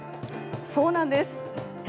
そうなんです。